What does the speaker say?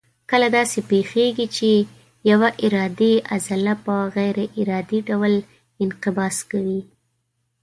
کله داسې پېښېږي چې یوه ارادي عضله په غیر ارادي ډول انقباض کوي.